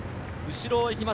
後ろを行きます